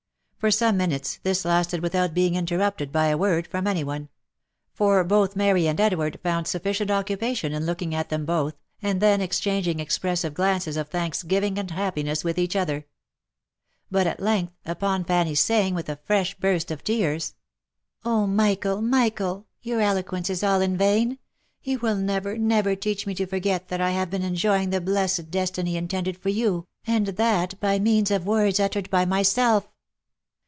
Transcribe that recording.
For some minutes this lasted without being interrupted by a word from any one ; for both Mary and Edward found, sufficient occupation in looking at them both, and then exchanging expressive glances of thanksgiving and happiness with each other. But at length, upon Fanny's saying with a fresh burst of tears, i ^#/.m/vv'l.>//,/ V/ a// & a ///vr" <d& ',< ruy . OF MICHAEL ARMSTRONG. 377 V Oh, Michael! Michael! your eloquence is all in vain. You will never, never teach me to forget that I have been enjoying the blessed destiny intended for you, and that by means of words uttered by myself."